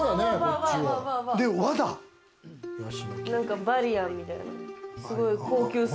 何かバリアンみたいな。